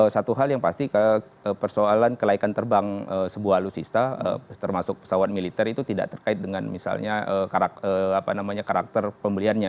satu hal yang pasti persoalan kelaikan terbang sebuah alutsista termasuk pesawat militer itu tidak terkait dengan misalnya karakter pembeliannya